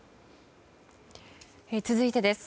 続いてです。